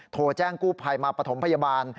โทรแจ้งกู้ภัยมาปฐมพยาบาล